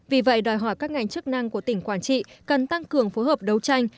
vì vậy đòi hỏi các ngành chức năng của tỉnh quảng trị cần tăng cường phối hợp đấu tranh